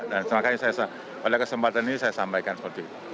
dan semangkanya pada kesempatan ini saya sampaikan seperti itu